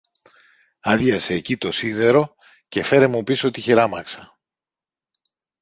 άδειασε εκει το σίδερο και φέρε μου πίσω τη χειράμαξα.